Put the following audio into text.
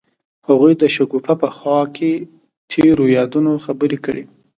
هغوی د شګوفه په خوا کې تیرو یادونو خبرې کړې.